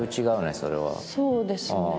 そうですね。